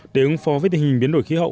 để ứng phó với tình hình biến đổi khí hậu